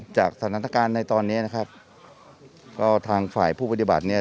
จากสถานการณ์ในตอนนี้นะครับก็ทางฝ่ายผู้ปฏิบัติเนี่ย